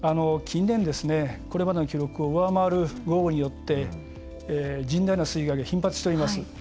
近年、これまでの記録を上回る豪雨によって甚大な水害が頻発しております。